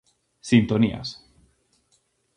Sintonías.